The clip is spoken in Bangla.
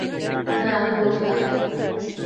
হ্যাঁ, আমি বলছি আছে।